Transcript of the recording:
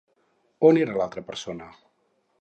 On era l'altra persona?